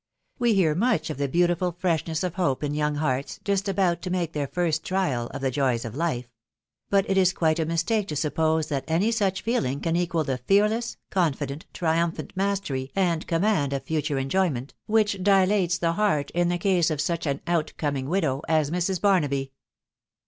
We hear much of the beautiful fresh ness of hope in young hearts just about to make their first j trial of the joys of life ; but it is quite a mistake to suppose that any such feeling can equal the fearless, confident, trium phant mastery and command of future enjoyment, which dilates the heart, in the case of such an out coming widow as Mrs. Barnaby.